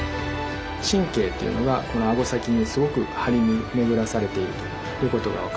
神経というのがこのアゴ先にすごく張り巡らされているということが分かります。